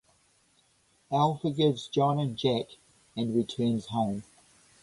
Al forgives John and Jack and returns home.